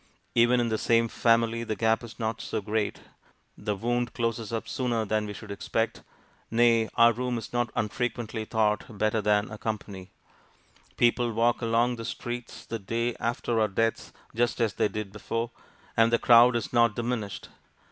Even in the same family the gap is not so great; the wound closes up sooner than we should expect. Nay, our room is not unfrequently thought better than our company. People walk along the streets the day after our deaths just as they did before, and the crowd is not diminished.